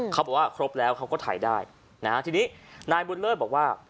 เขาบอกว่าครบแล้วเขาก็ถ่ายได้นะฮะทีนี้นายบุญเลิศบอกว่า